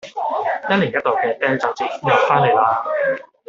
一年一度嘅啤酒節又返嚟喇